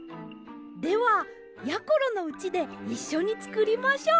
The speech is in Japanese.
ではやころのうちでいっしょにつくりましょう。